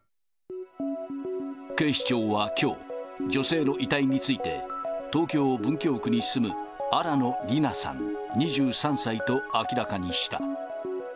警視庁はきょう、女性の遺体について、東京・文京区に住む新野りなさん２３歳と明らかにした。